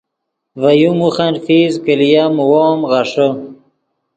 ڤے یو موخن فیس کہ لییم وو ام غیݰے